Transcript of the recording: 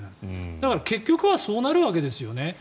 だから結局はそうなるわけですよね。